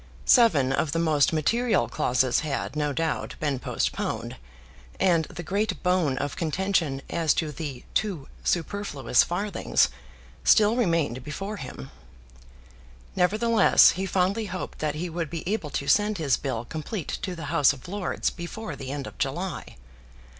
Seven of the most material clauses had, no doubt, been postponed, and the great bone of contention as to the two superfluous farthings still remained before him. Nevertheless he fondly hoped that he would be able to send his bill complete to the House of Lords before the end of July.